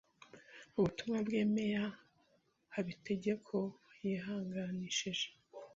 Mu butumwa bwe, Meya Habitegeko yihanganishije